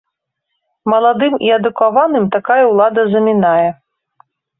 Маладым і адукаваным такая ўлада замінае.